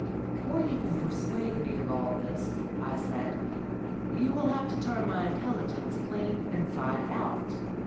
] "Before you can persuade me of all this," I said, "you will have to turn my intelligence clean inside out."